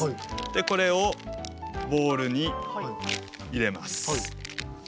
これをボウルに入れます。